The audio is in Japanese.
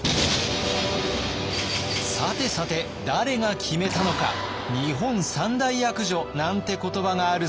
さてさて誰が決めたのか「日本三大悪女」なんて言葉があるそうで。